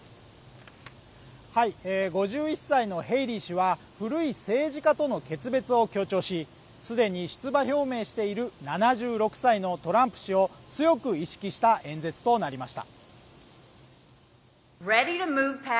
５１歳のヘイリー氏は古い政治家との決別を強調しすでに出馬表明している７６歳のトランプ氏を強く意識した演説となりました